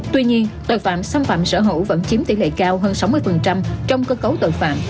tuy nhiên tội phạm xâm phạm sở hữu vẫn chiếm tỷ lệ cao hơn sáu mươi trong cơ cấu tội phạm